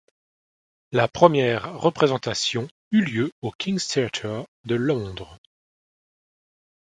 La première représentation eut lieu le au King's Theater de Londres.